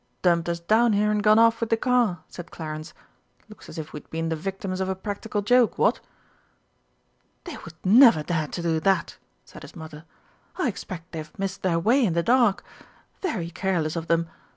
"Dumped us down here, and gone off with the car," said Clarence. "Looks as if we'd been the victims of a practical joke, what?" "They would never dare to do that!" said his Mother. "I expect they have missed their way in the dark. Very careless of them.